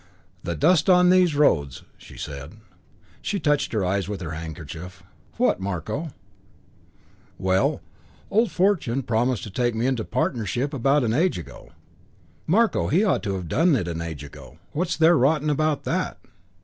"The dust on these roads!" she said. She touched her eyes with her handkerchief. "What, Marko?" "Well, old Fortune promised to take me into partnership about an age ago." "Marko, he ought to have done it an age ago. What's there rotten about that?"